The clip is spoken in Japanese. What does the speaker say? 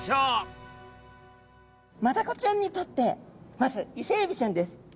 マダコちゃんにとってまずイセエビちゃんです。